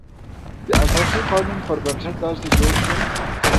د اساسي قانون پر بنسټ داسې جوړ شول.